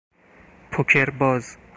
پو کر باز